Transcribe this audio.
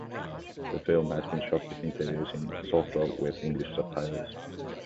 The film has been shot with interviews in Sesotho with English subtitles.